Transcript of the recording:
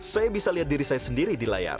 saya bisa lihat diri saya sendiri di layar